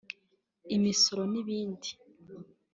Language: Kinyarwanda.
imisoro n’ibindi